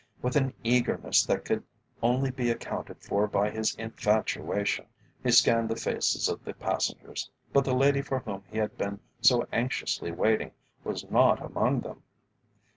With an eagerness that could only be accounted for by his infatuation, he scanned the faces of the passengers, but the lady for whom he had been so anxiously waiting was not among them.